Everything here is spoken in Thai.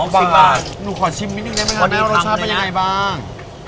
๑๐บาทหนูขอชิมนิดนึงได้ไหมครับวันนี้รสชาติเป็นยังไงบ้าง